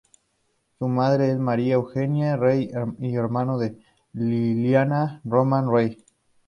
Su madre es María Eugenia Rey y hermano de Liliana Román Rey.